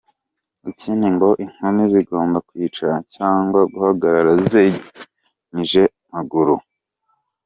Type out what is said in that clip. Ikindi ngo inkumi zigomba kwicara cyangwa guhagarara zegeranije amaguru.